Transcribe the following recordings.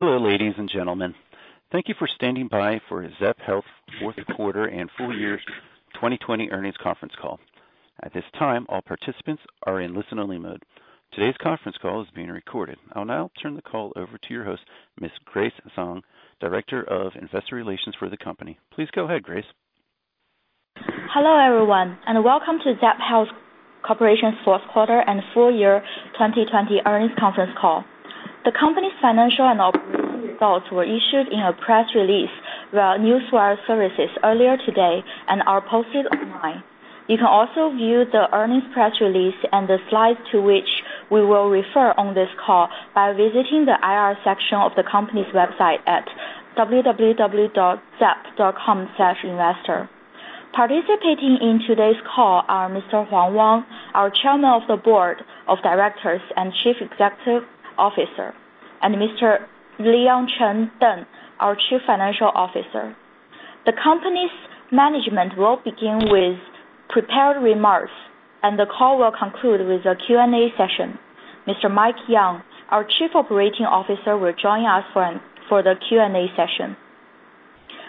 Hello, ladies and gentlemen. Thank you for standing by for Zepp Health Fourth Quarter and Full Year 2020 Earnings Conference Call. At this time, all participants are in listen-only mode. Today's conference call is being recorded. I'll now turn the call over to your host, Ms. Grace Zhang, Director of Investor Relations for the company. Please go ahead, Grace. Hello, everyone, welcome to Zepp Health Corporation fourth quarter and full year 2020 earnings conference call. The company's financial and operating results were issued in a press release via Newswire services earlier today and are posted online. You can also view the earnings press release and the slides to which we will refer on this call by visiting the IR section of the company's website at www.zepp.com/investor. Participating in today's call are Mr. Wang Huang, our Chairman of the Board of Directors and Chief Executive Officer, and Mr. Leon Cheng Deng, our Chief Financial Officer. The company's management will begin with prepared remarks, and the call will conclude with a Q&A session. Mr. Mike Yeung, our Chief Operating Officer, will join us for the Q&A session.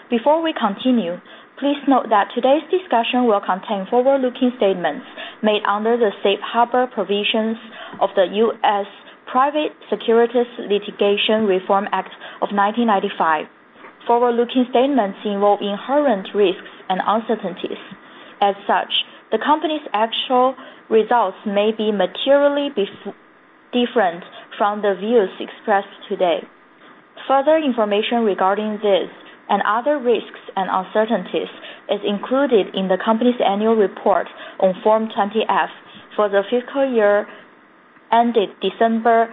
Before we continue, please note that today's discussion will contain forward-looking statements made under the Safe Harbor Provisions of the U.S. Private Securities Litigation Reform Act of 1995. Forward-looking statements involve inherent risks and uncertainties. The company's actual results may be materially different from the views expressed today. Further information regarding this and other risks and uncertainties is included in the company's annual report on Form 20-F for the fiscal year ended December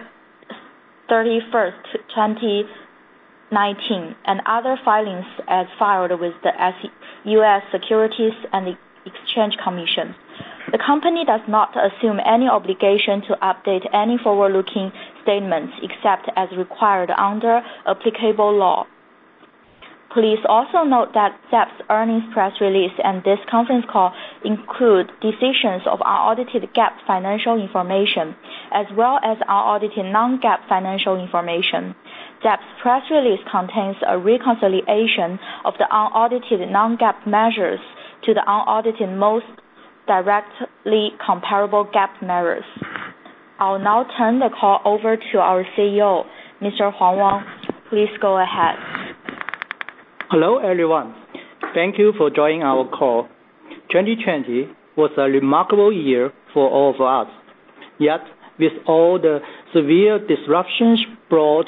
31st, 2019, and other filings as filed with the U.S. Securities and Exchange Commission. The company does not assume any obligation to update any forward-looking statements except as required under applicable law. Please also note that Zepp Health's earnings press release and this conference call include disclosures of unaudited GAAP financial information, as well as unaudited non-GAAP financial information. Zepp's press release contains a reconciliation of the unaudited non-GAAP measures to the unaudited most directly comparable GAAP measures. I'll now turn the call over to our CEO, Mr. Wang Huang. Please go ahead. Hello, everyone. Thank you for joining our call. 2020 was a remarkable year for all of us. Yet with all the severe disruptions brought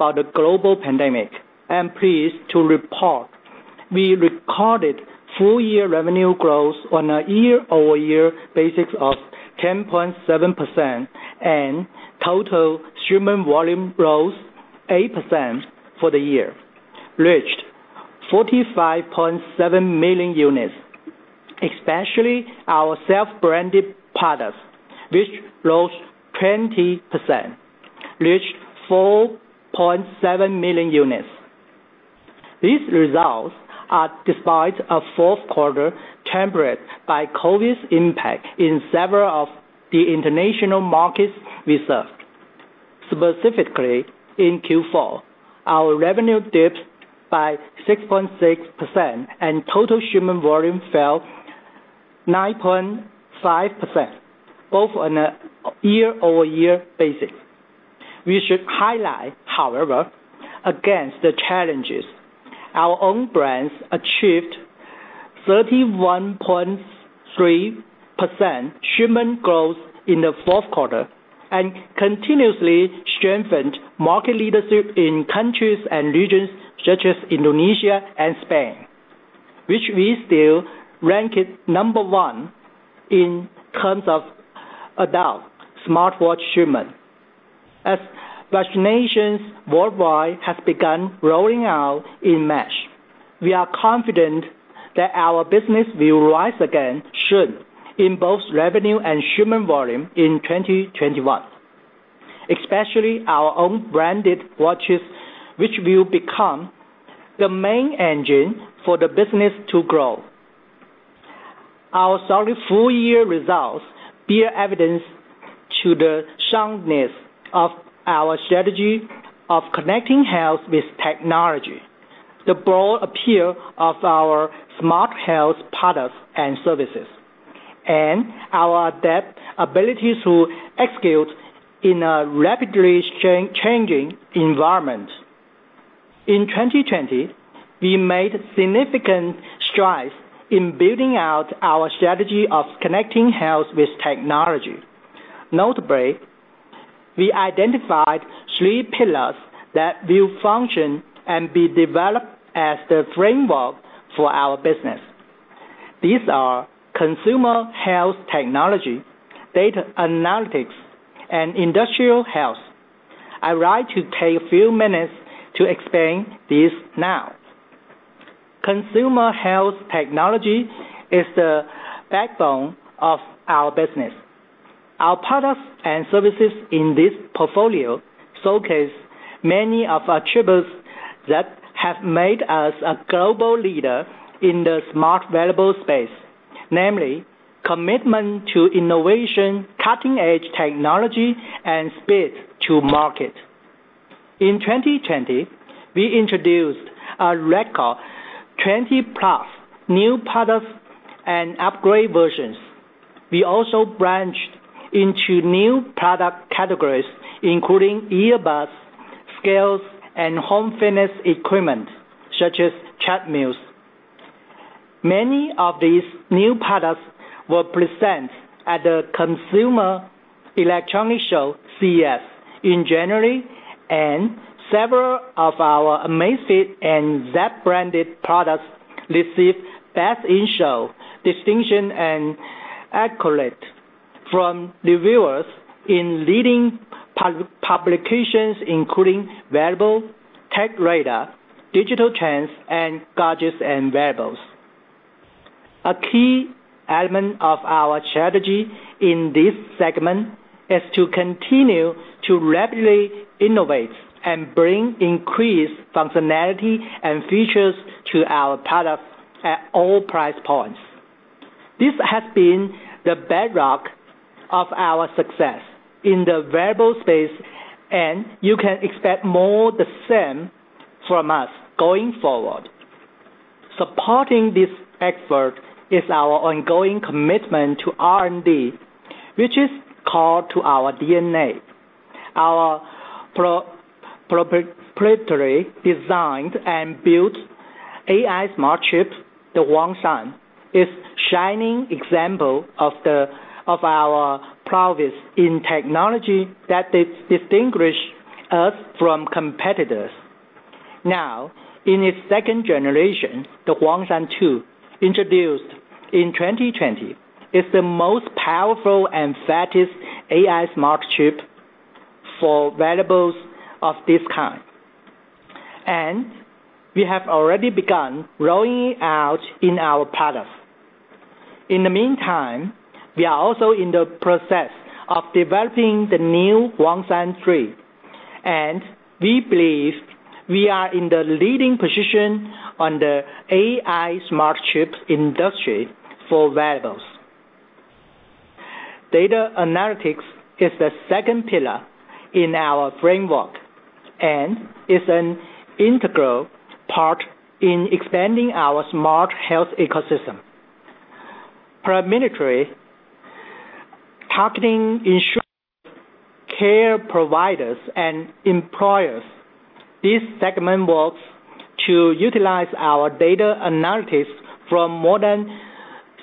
by the global pandemic, I am pleased to report we recorded full-year revenue growth on a year-over-year basis of 10.7%, and total shipment volume rose 8% for the year, reached 45.7 million units, especially our self-branded products, which rose 20%, reached 4.7 million units. These results are despite a fourth quarter tempered by COVID's impact in several of the international markets we serve. Specifically, in Q4, our revenue dipped by 6.6% and total shipment volume fell 9.5%, both on a year-over-year basis. We should highlight, however, against the challenges, our own brands achieved 31.3% shipment growth in the fourth quarter and continuously strengthened market leadership in countries and regions such as Indonesia and Spain, which we still ranked number one in terms of adult smartwatch shipment. As vaccinations worldwide have begun rolling out in March, we are confident that our business will rise again soon in both revenue and shipment volume in 2021, especially our own branded watches, which will become the main engine for the business to grow. Our solid full-year results bear evidence to the soundness of our strategy of connecting health with technology, the broad appeal of our smart health products and services, and our adept ability to execute in a rapidly changing environment. In 2020, we made significant strides in building out our strategy of connecting health with technology. Notably, we identified three pillars that will function and be developed as the framework for our business. These are consumer health technology, data analytics, and industrial health. I'd like to take a few minutes to explain these now. Consumer health technology is the backbone of our business. Our products and services in this portfolio showcase many attributes that have made us a global leader in the smart wearable space, namely commitment to innovation, cutting-edge technology and speed to market. In 2020, we introduced a record 20 plus new products and upgrade versions. We also branched into new product categories, including earbuds, scales, and home fitness equipment, such as treadmills. Many of these new products were present at the Consumer Electronics Show, CES, in January, and several of our Amazfit and Zepp-branded products received Best in Show distinction and accolade from reviewers in leading publications, including Wearable, TechRadar, Digital Trends, and Gadgets & Wearables. A key element of our strategy in this segment is to continue to rapidly innovate and bring increased functionality and features to our products at all price points. This has been the bedrock of our success in the wearable space, and you can expect more the same from us going forward. Supporting this effort is our ongoing commitment to R&D, which is core to our DNA. Our proprietary designed and built AI smart chip, the Huangshan, is shining example of our prowess in technology that distinguish us from competitors. Now, in its second generation, the Huangshan 2, introduced in 2020, is the most powerful and fastest AI smart chip for wearables of this kind, and we have already begun rolling it out in our products. In the meantime, we are also in the process of developing the new Huangshan 3, and we believe we are in the leading position on the AI smart chip industry for wearables. Data analytics is the second pillar in our framework and is an integral part in expanding our smart health ecosystem. Primarily, targeting insurance, care providers, and employers, this segment works to utilize our data analytics from more than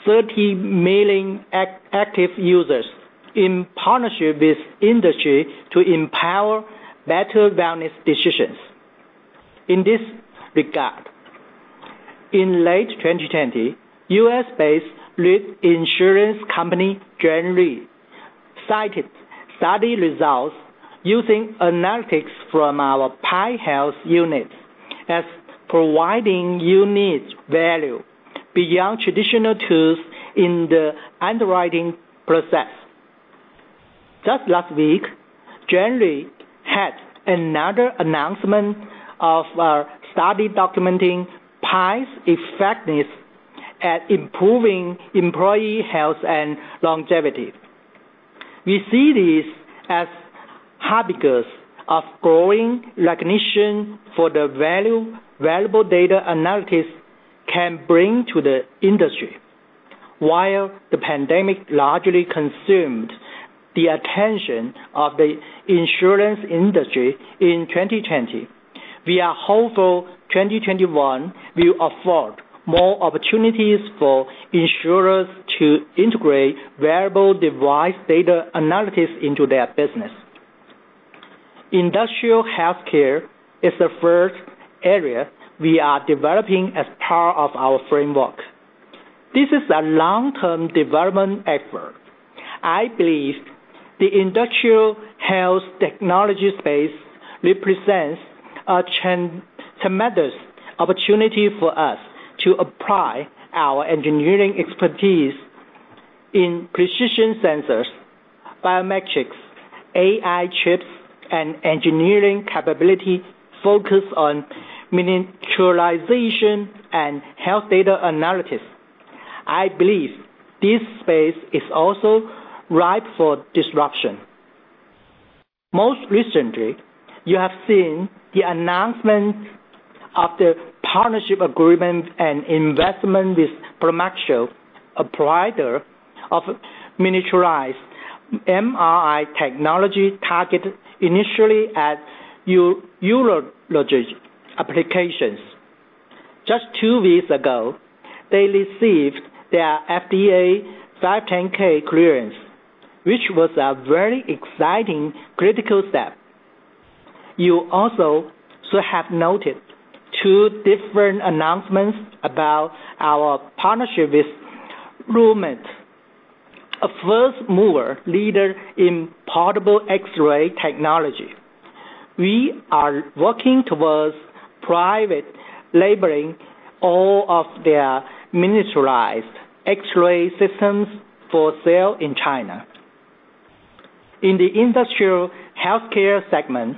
30 million active users in partnership with industry to empower better wellness decisions. In this regard, in late 2020, U.S.-based life insurance company, Gen Re, cited study results using analytics from our Zepp Health unit as providing unique value beyond traditional tools in the underwriting process. Just last week, Gen Re had another announcement of a study documenting Zepp's effectiveness at improving employee health and longevity. We see this as harbingers of growing recognition for the value wearable data analytics can bring to the industry. While the pandemic largely consumed the attention of the insurance industry in 2020, we are hopeful 2021 will afford more opportunities for insurers to integrate wearable device data analytics into their business. Industrial healthcare is the third area we are developing as part of our framework. This is a long-term development effort. I believe the industrial health technology space represents a tremendous opportunity for us to apply our engineering expertise in precision sensors, biometrics, AI chips, and engineering capability focused on miniaturization and health data analytics. I believe this space is also ripe for disruption. Most recently, you have seen the announcement of the partnership agreement and investment with Promaxo, a provider of miniaturized MRI technology targeted initially at urologic applications. Just two weeks ago, they received their FDA 510(k) Clearance, which was a very exciting critical step. You also should have noticed two different announcements about our partnership with Rouumtech, a first-mover leader in portable X-ray technology. We are working towards private labeling all of their miniaturized X-ray systems for sale in China. In the industrial healthcare segment,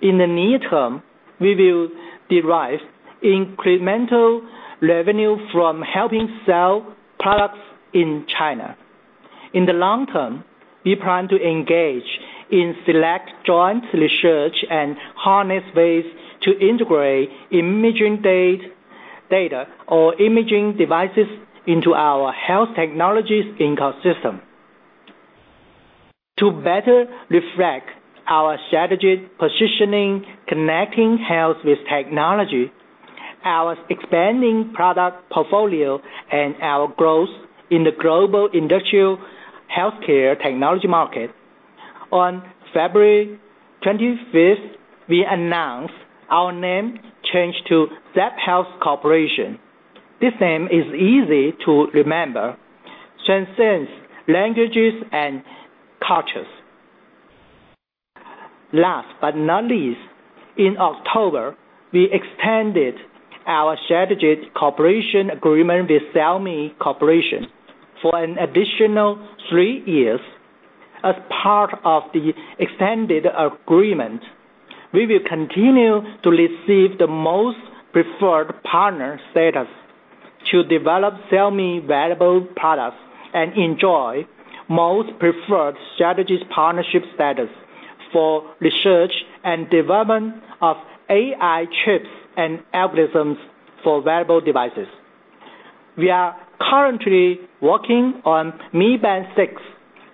in the near term, we will derive incremental revenue from helping sell products in China. In the long term, we plan to engage in select joint research and harness ways to integrate imaging data or imaging devices into our health technologies ecosystem. To better reflect our strategy positioning, connecting health with technology, our expanding product portfolio, and our growth in the global industrial healthcare technology market, on February 25th, we announced our name change to Zepp Health Corporation. This name is easy to remember, transcends languages and cultures. Last but not least, in October, we extended our strategic cooperation agreement with Xiaomi Corporation for an additional three years. As part of the extended agreement, we will continue to receive the most preferred partner status to develop Xiaomi wearable products and enjoy most preferred strategic partnership status for research and development of AI chips and algorithms for wearable devices. We are currently working on Mi Band 6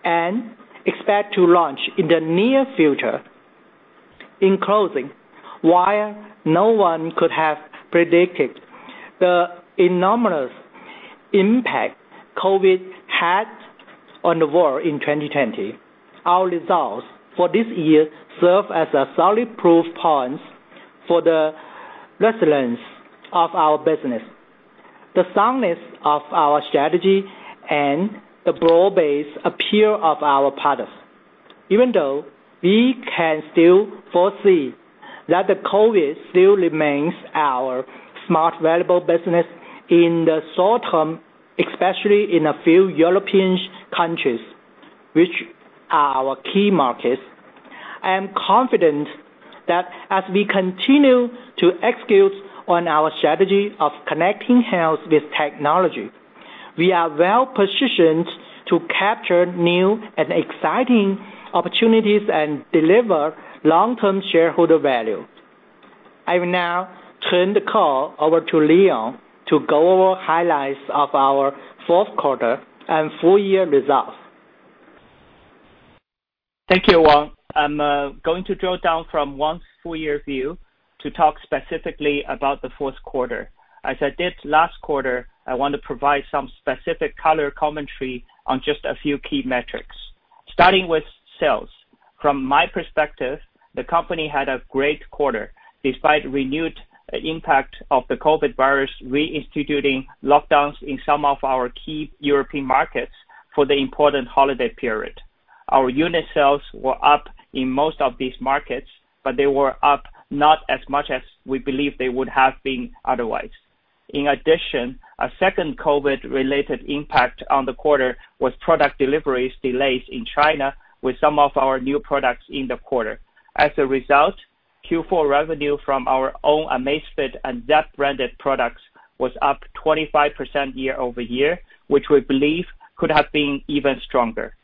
and expect to launch in the near future. In closing, while no one could have predicted the enormous impact COVID had on the world in 2020, our results for this year serve as a solid proof point for the resilience of our business, the soundness of our strategy, and the broad-based appeal of our products. Even though we can still foresee that the COVID still remains our smart wearable business in the short term, especially in a few European countries, which are our key markets, I am confident that as we continue to execute on our strategy of connecting health with technology, we are well-positioned to capture new and exciting opportunities and deliver long-term shareholder value. I will now turn the call over to Leon to go over highlights of our fourth quarter and full-year results. Thank you, Wang. I'm going to drill down from Wang's full-year view to talk specifically about the fourth quarter. As I did last quarter, I want to provide some specific color commentary on just a few key metrics. Starting with sales. From my perspective, the company had a great quarter, despite renewed impact of the COVID virus reinstituting lockdowns in some of our key European markets for the important holiday period. Our unit sales were up in most of these markets, but they were up not as much as we believe they would have been otherwise. In addition, a second COVID-related impact on the quarter was product deliveries delays in China with some of our new products in the quarter. As a result, Q4 revenue from our own Amazfit and Zepp-branded products was up 25% year-over-year, which we believe could have been even stronger.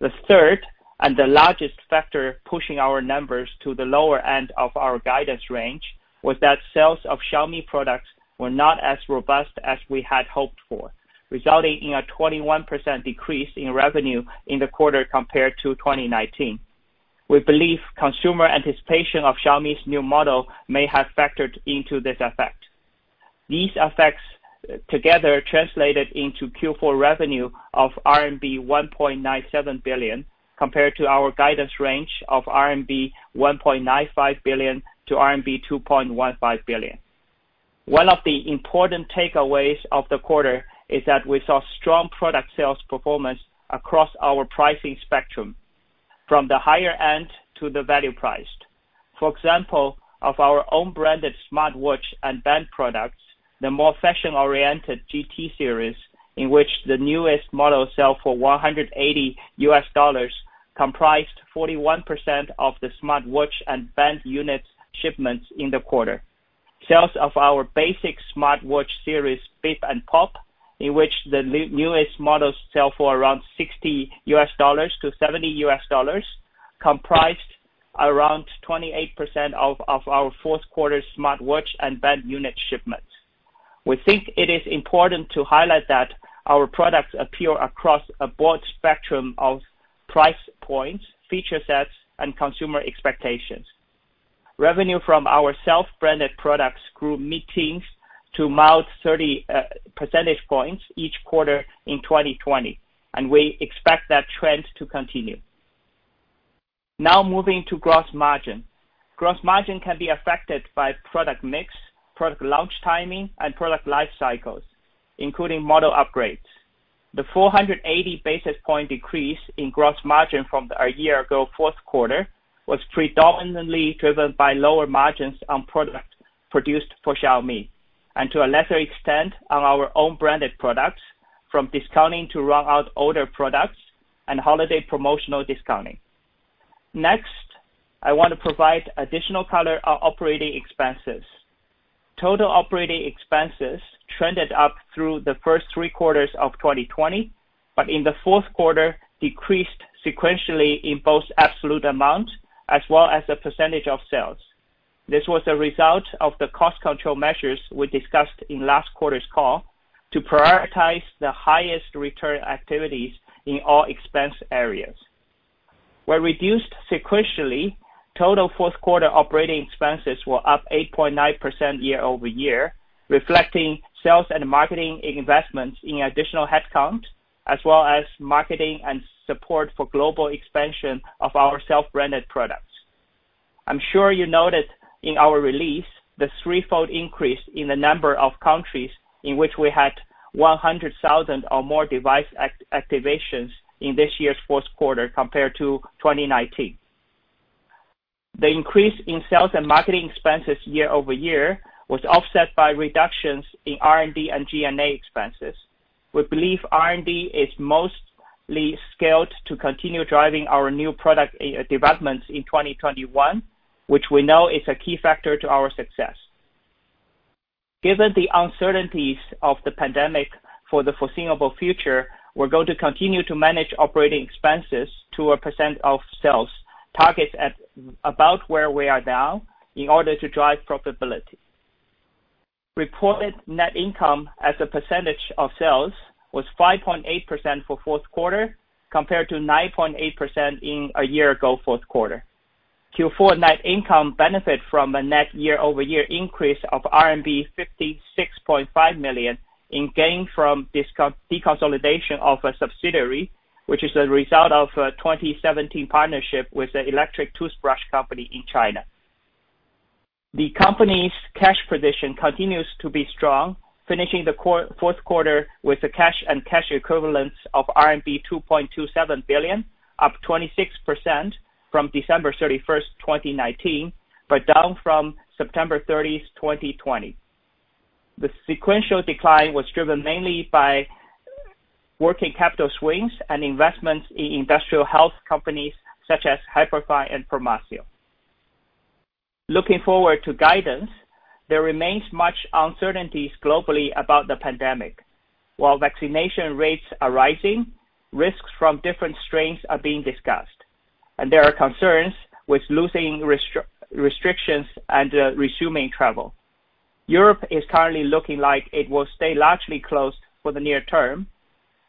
The third and the largest factor pushing our numbers to the lower end of our guidance range was that sales of Xiaomi products were not as robust as we had hoped for, resulting in a 21% decrease in revenue in the quarter compared to 2019. We believe consumer anticipation of Xiaomi's new model may have factored into this effect. These effects together translated into Q4 revenue of RMB 1.97 billion, compared to our guidance range of 1.95 billion-2.15 billion RMB. One of the important takeaways of the quarter is that we saw strong product sales performance across our pricing spectrum, from the higher end to the value priced. For example, of our own branded smartwatch and band products, the more fashion-oriented GT series, in which the newest model sell for $180, comprised 41% of the smartwatch and band unit shipments in the quarter. Sales of our basic smartwatch series, Bip and Pop, in which the newest models sell for around $60-$70, comprised around 28% of our fourth quarter's smartwatch and band unit shipments. We think it is important to highlight that our products appeal across a broad spectrum of price points, feature sets, and consumer expectations. Revenue from our self-branded products grew mid-teens to mid-30 percentage points each quarter in 2020, and we expect that trend to continue. Now moving to gross margin. Gross margin can be affected by product mix, product launch timing, and product life cycles, including model upgrades. The 480 basis point decrease in gross margin from our year-ago fourth quarter was predominantly driven by lower margins on products produced for Xiaomi. To a lesser extent, on our own branded products from discounting to run out older products and holiday promotional discounting. Next, I want to provide additional color on operating expenses. Total operating expenses trended up through the first three quarters of 2020, in the fourth quarter decreased sequentially in both absolute amount as well as a percentage of sales. This was a result of the cost control measures we discussed in last quarter's call to prioritize the highest return activities in all expense areas. Where reduced sequentially, total fourth quarter operating expenses were up 8.9% year-over-year, reflecting sales and marketing investments in additional headcount, as well as marketing and support for global expansion of our self-branded products. I'm sure you noted in our release the threefold increase in the number of countries in which we had 100,000 or more device activations in this year's fourth quarter compared to 2019. The increase in sales and marketing expenses year-over-year was offset by reductions in R&D and G&A expenses. We believe R&D is mostly scaled to continue driving our new product developments in 2021, which we know is a key factor to our success. Given the uncertainties of the pandemic for the foreseeable future, we're going to continue to manage operating expenses to a percentage of sales targets at about where we are now in order to drive profitability. Reported net income as a percentage of sales was 5.8% for fourth quarter, compared to 9.8% in a year-ago fourth quarter. Q4 net income benefit from a net year-over-year increase of RMB 56.5 million in gain from deconsolidation of a subsidiary, which is a result of a 2017 partnership with the electric toothbrush company in China. The company's cash position continues to be strong, finishing the fourth quarter with a cash and cash equivalents of RMB 2.27 billion, up 26% from December 31st, 2019, but down from September 30th, 2020. The sequential decline was driven mainly by working capital swings and investments in industrial health companies such as Hyperfine and Promaxo. Looking forward to guidance, there remains much uncertainties globally about the pandemic. While vaccination rates are rising, risks from different strains are being discussed, and there are concerns with losing restrictions and resuming travel. Europe is currently looking like it will stay largely closed for the near term,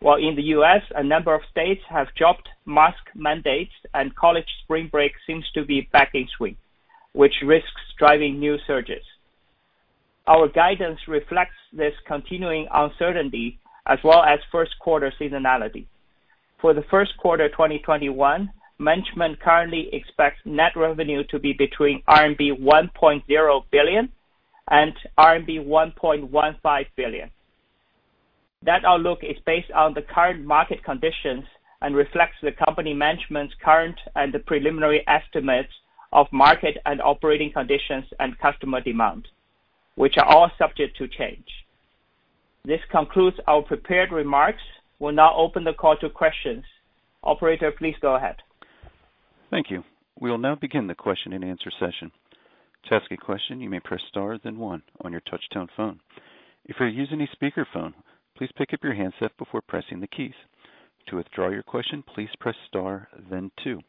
while in the U.S. a number of states have dropped mask mandates and college spring break seems to be back in swing, which risks driving new surges. Our guidance reflects this continuing uncertainty as well as first quarter seasonality. For the first quarter 2021, management currently expects net revenue to be between RMB 1.0 billion and RMB 1.15 billion. That outlook is based on the current market conditions and reflects the company management's current and the preliminary estimates of market and operating conditions and customer demand, which are all subject to change. This concludes our prepared remarks. We'll now open the call to questions. Operator, please go ahead. Thank you. We will now begin the question and answer session. You may press star, then one on your touch-tone phone. If you are using speaker phone, please pick up your handset before pressing the keys. To withdraw your questions, Please press star, then two.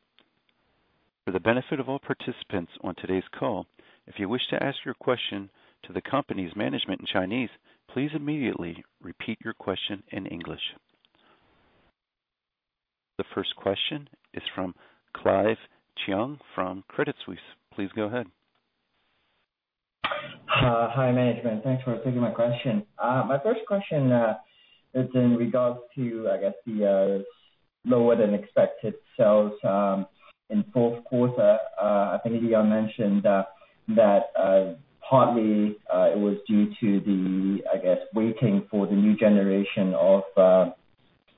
For the benefit of all participants on today's call, if you wish to ask your question to the company's management in Chinese, please immediately repeat your question in English. The first question is from Clive Cheung from Credit Suisse. Please go ahead. Hi, management. Thanks for taking my question. My first question is in regards to, I guess, the lower than expected sales in fourth quarter. I think you mentioned that partly it was due to the, I guess, waiting for the new generation of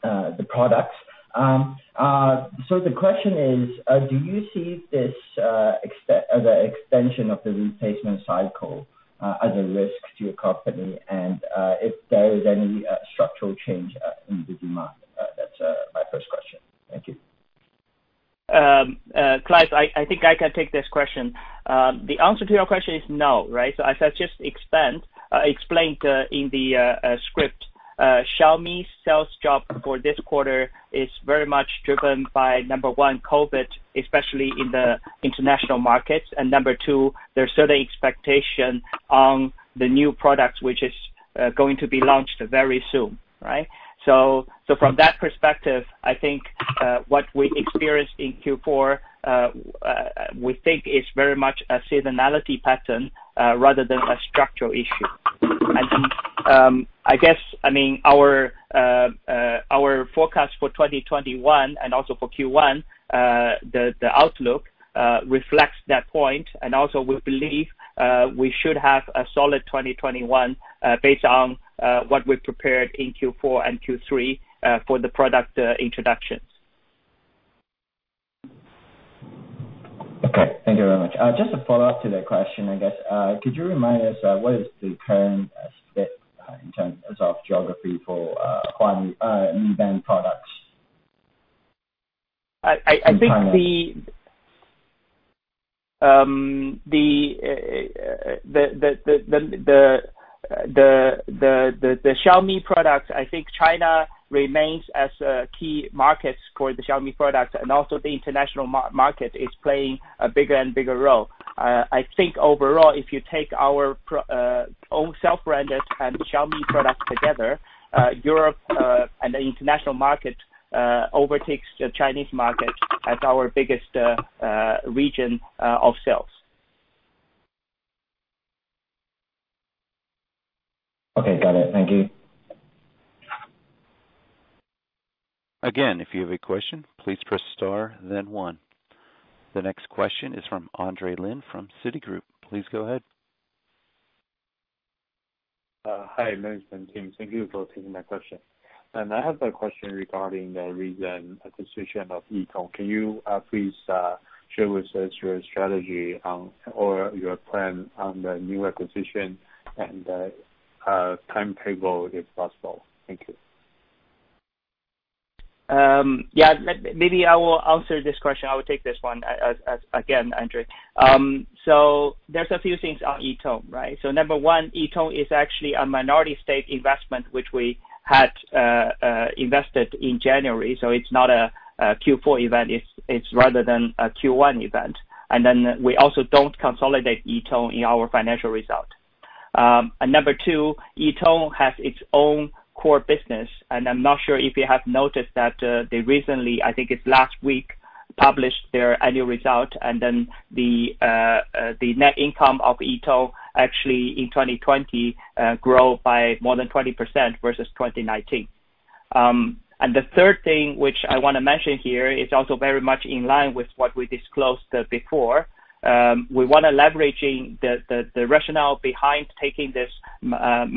the products. The question is, do you see this as an extension of the replacement cycle as a risk to your company? If there is any structural change in the demand? That's my first question. Thank you. Clive, I think I can take this question. The answer to your question is no. As I just explained in the script, Xiaomi sales drop for this quarter is very much driven by number one, COVID, especially in the international markets. Number two, there's certain expectation on the new product, which is going to be launched very soon. From that perspective, I think what we experienced in Q4, we think is very much a seasonality pattern rather than a structural issue. I guess our forecast for 2021 and also for Q1 the outlook reflects that point. Also we believe we should have a solid 2021 based on what we've prepared in Q4 and Q3 for the product introductions. Okay, thank you very much. Just a follow-up to that question, I guess. Could you remind us what is the current state in terms of geography for Mi Band products? I think the Xiaomi products, I think China remains as a key market for the Xiaomi products. The international market is playing a bigger and bigger role. I think overall, if you take our own self-branded and Xiaomi products together, Europe and the international market overtakes the Chinese market as our biggest region of sales. Okay, got it. Thank you. Again, if you have a question, please press star then one. The next question is from Andre Lin from Citigroup. Please go ahead. Hi, management team. Thank you for taking my question. I have a question regarding the recent acquisition of Yitong. Can you please share with us your strategy or your plan on the new acquisition and a timetable, if possible? Thank you. Yeah. Maybe I will answer this question. I will take this one, again, Andre. There's a few things on Yitong, right? Number one, Yitong is actually a minority stake investment, which we had invested in January, so it's not a Q4 event. It's rather a Q1 event. We also don't consolidate Yitong in our financial result. Number two, Yitong has its own core business, and I'm not sure if you have noticed that they recently, I think it's last week, published their annual result. The net income of Yitong actually in 2020 grew by more than 20% versus 2019. The third thing which I want to mention here is also very much in line with what we disclosed before. We want to leveraging the rationale behind taking this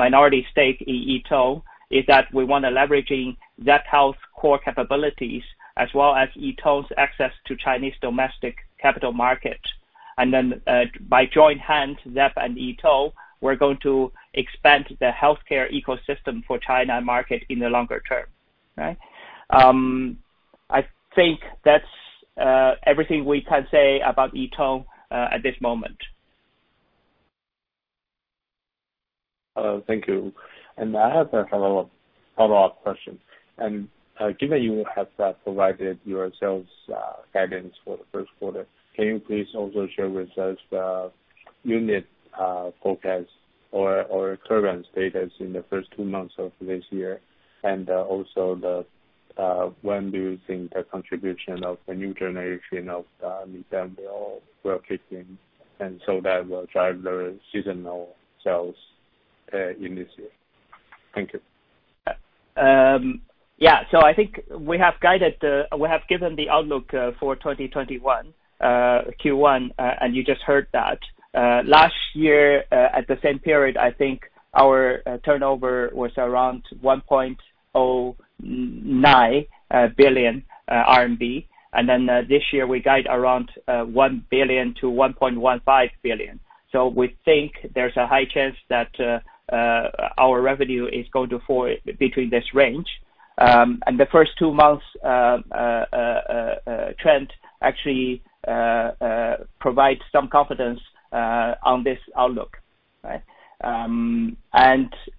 minority stake in Yitong, is that we want to leveraging Zepp Health core capabilities as well as Yitong's access to Chinese domestic capital market. By joint hands, Zepp and Yitong, we're going to expand the healthcare ecosystem for China market in the longer term. Right? I think that's everything we can say about Yitong at this moment. Thank you. I have a follow-up question. Given you have provided your sales guidance for the first quarter, can you please also share with us the unit forecast or current status in the first two months of this year? When do you think the contribution of the new generation of Mi Band will kick in and so that will drive the seasonal sales in this year? Thank you. I think we have given the outlook for 2021 Q1, and you just heard that. Last year, at the same period, I think our turnover was around 1.09 billion RMB. This year, we guide around 1 billion-1.15 billion. We think there's a high chance that our revenue is going to fall between this range. The first two months trend actually provides some confidence on this outlook. Right?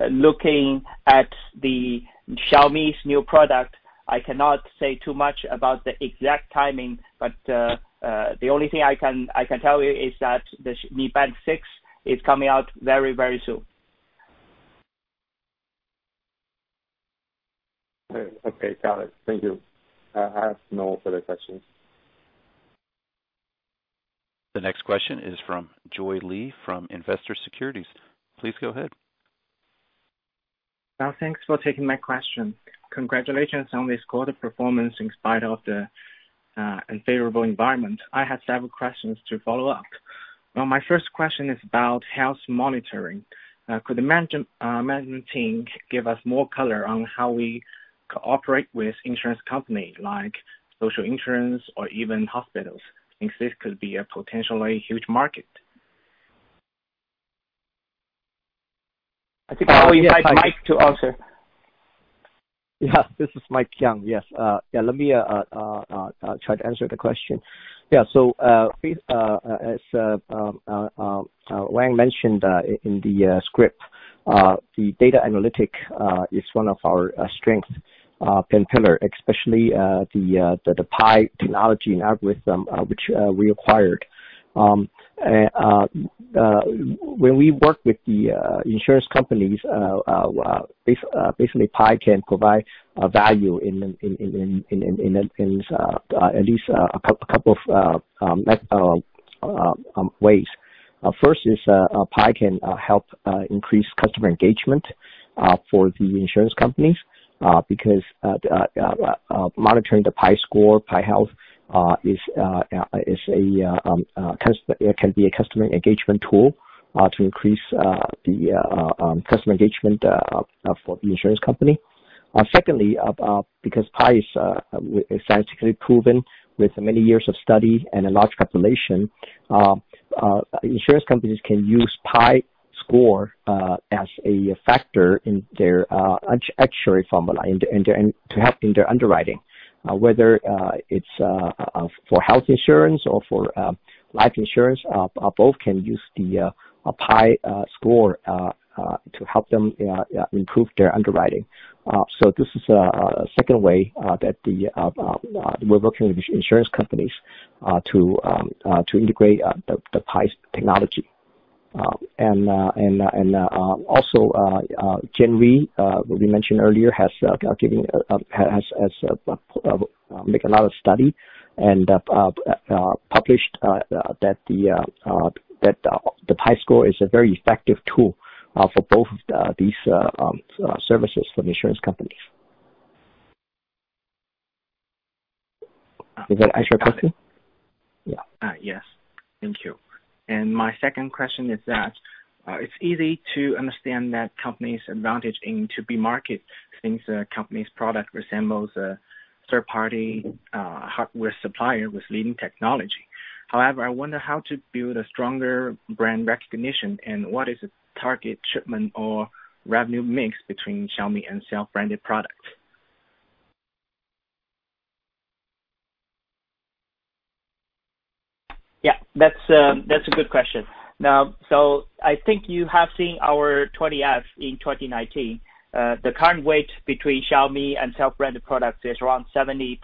Looking at the Xiaomi's new product, I cannot say too much about the exact timing, but the only thing I can tell you is that the Mi Band 6 is coming out very soon. Okay. Got it. Thank you. I have no further questions. The next question is from [Joy Lee] from Investor Securities. Please go ahead. Thanks for taking my question. Congratulations on this quarter performance in spite of the unfavorable environment. I have several questions to follow up. My first question is about health monitoring. Could the management team give us more color on how we cooperate with insurance company like social insurance or even hospitals, since this could be a potentially huge market? I think I will invite Mike to answer. This is Mike Yeung. Yes. Let me try to answer the question. As Wang mentioned in the script, the data analytic is one of our strength and pillar, especially the PAI technology and algorithm, which we acquired. When we work with the insurance companies, basically PAI can provide value in at least a couple of ways. First is, PAI can help increase customer engagement for the insurance companies, because monitoring the PAI Score, PAI Health, can be a customer engagement tool to increase the customer engagement for the insurance company. Secondly, because PAI is scientifically proven with many years of study and a large population, insurance companies can use PAI Score as a factor in their actuary formula to help in their underwriting. Whether it's for health insurance or for life insurance, both can use the PAI Score to help them improve their underwriting. This is a second way that we're working with insurance companies to integrate the PAI technology. Also, Gen Re, we mentioned earlier, has made another study and published that the PAI Score is a very effective tool for both of these services for insurance companies. Is that answer your question? Yeah. Yes. Thank you. My second question is that it is easy to understand that company's advantage in B2B market since the company's product resembles a third-party hardware supplier with leading technology. However, I wonder how to build a stronger brand recognition and what is the target shipment or revenue mix between Xiaomi and self-branded products? That's a good question. I think you have seen our 20-F in 2019. The current weight between Xiaomi and self-branded products is around 70%,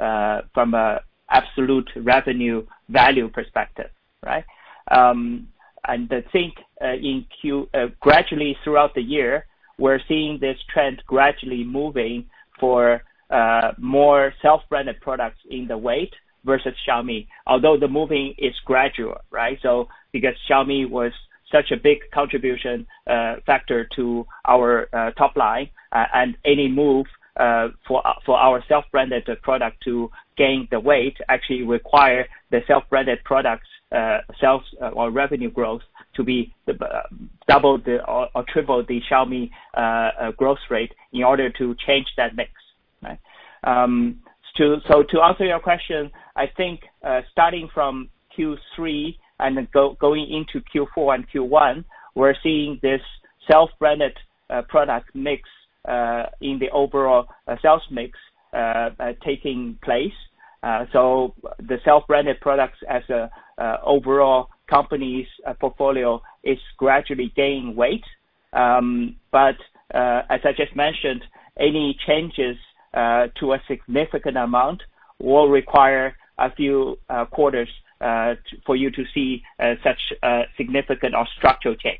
30%, from a absolute revenue value perspective. Right? I think gradually throughout the year, we're seeing this trend gradually moving for more self-branded products in the weight versus Xiaomi, although the moving is gradual. Right? Because Xiaomi was such a big contribution, factor to our top line, and any move for our self-branded product to gain the weight, actually require the self-branded products sales or revenue growth to be double or triple the Xiaomi growth rate in order to change that mix. Right? To answer your question, I think, starting from Q3 and then going into Q4 and Q1, we're seeing this self-branded product mix, in the overall sales mix, taking place. The self-branded products as a overall company's portfolio is gradually gaining weight. As I just mentioned, any changes to a significant amount will require a few quarters for you to see such significant or structural change.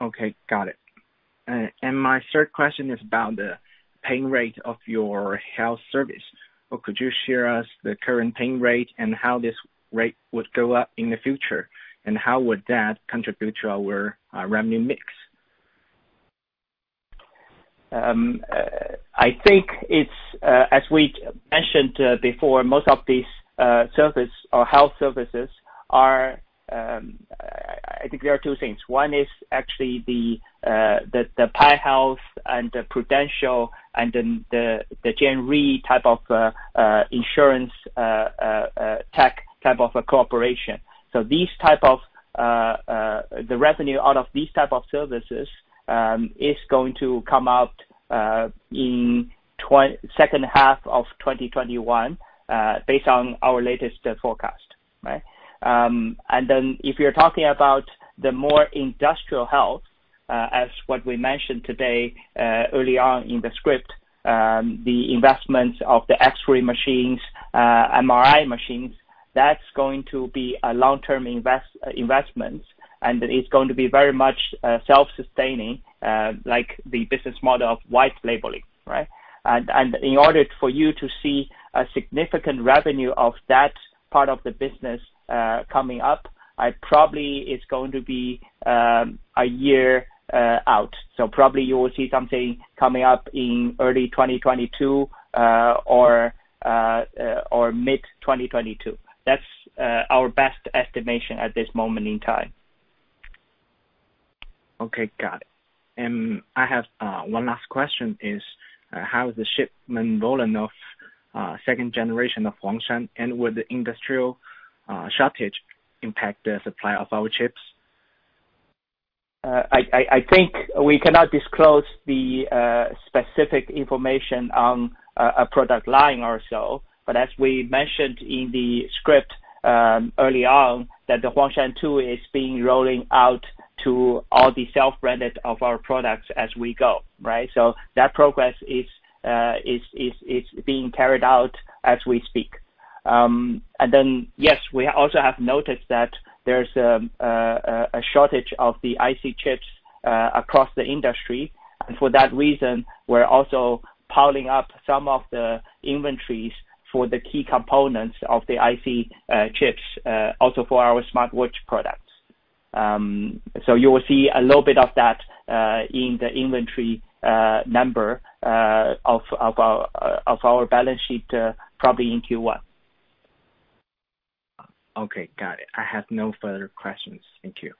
Okay. Got it. My third question is about the paying rate of your health service, or could you share us the current paying rate and how this rate would go up in the future, and how would that contribute to our revenue mix? I think it's, as we mentioned before, most of these service or health services are two things. One is actually the PAI Health and the Prudential, and then the Gen Re type of insurance tech type of a cooperation. The revenue out of these type of services, is going to come out in second half of 2021, based on our latest forecast. Right? If you're talking about the more industrial health, as what we mentioned today, early on in the script, the investments of the X-ray machines, MRI machines, that's going to be a long-term investment, and it's going to be very much self-sustaining, like the business model of white labeling. Right? In order for you to see a significant revenue of that part of the business coming up, probably it's going to be a year out. Probably you will see something coming up in early 2022, or mid 2022. That's our best estimation at this moment in time. Okay. Got it. I have one last question, is how is the shipment rolling of second generation of Huangshan, and will the industrial shortage impact the supply of our chips? I think we cannot disclose the specific information on a product line or so, but as we mentioned in the script early on, that the Huangshan 2 is being rolling out to all the self-branded of our products as we go. Right? That progress is being carried out as we speak. Yes, we also have noticed that there's a shortage of the IC chips across the industry. For that reason, we're also piling up some of the inventories for the key components of the IC chips, also for our smartwatch products. You will see a little bit of that in the inventory number of our balance sheet, probably in Q1. Okay, got it. I have no further questions. Thank you.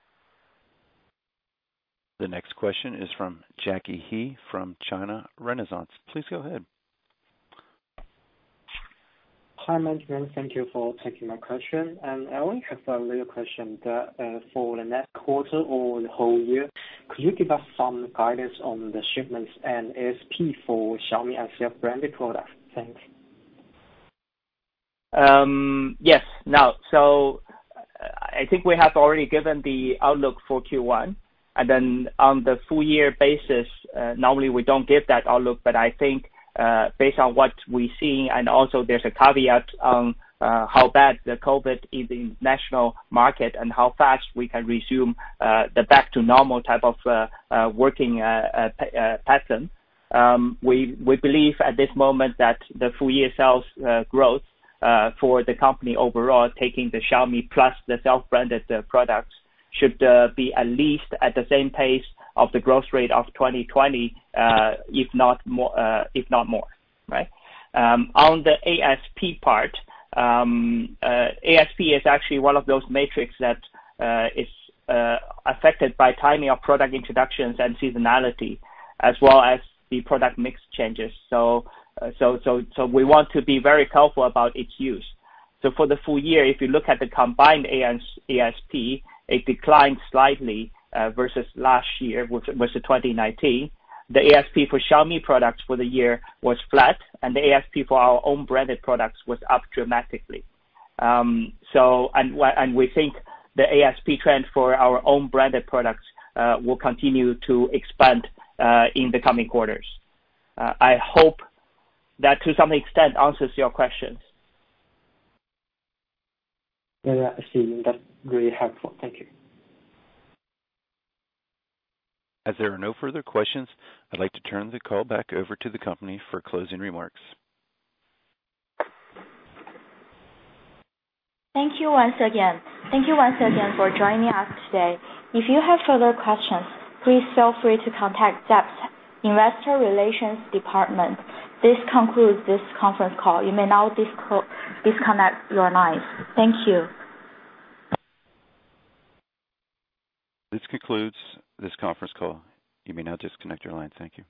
The next question is from Jacky He from China Renaissance. Please go ahead. Hi, management. Thank you for taking my question. I only have a little question that for the next quarter or the whole year, could you give us some guidance on the shipments and ASP for Xiaomi and self-branded products? Thanks. Yes. I think we have already given the outlook for Q1 and then on the full year basis, normally we don't give that outlook, but I think based on what we see and also there's a caveat on how bad the COVID is in the international market and how fast we can resume the back to normal type of working pattern. We believe at this moment that the full year sales growth for the company overall, taking the Xiaomi plus the self-branded products should be at least at the same pace of the growth rate of 2020 if not more. On the ASP part, ASP is actually one of those metrics that is affected by timing of product introductions and seasonality as well as the product mix changes. We want to be very careful about its use. For the full year, if you look at the combined ASP, it declined slightly versus last year, which was 2019. The ASP for Xiaomi products for the year was flat, and the ASP for our own branded products was up dramatically. We think the ASP trend for our own branded products will continue to expand in the coming quarters. I hope that to some extent answers your questions. I see. That's really helpful. Thank you. As there are no further questions, I'd like to turn the call back over to the company for closing remarks. Thank you once again. Thank you once again for joining us today. If you have further questions, please feel free to contact Zepp's Investor Relations Department. This concludes this conference call. You may now disconnect your lines. Thank you. This concludes this conference call. You may now disconnect your line. Thank you.